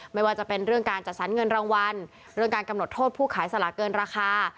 ไม่ว่าจะเป็นเรื่องการจัดสรรเงินรางวัลเรื่องการกำหนดโทษผู้ขายสลากเกินราคา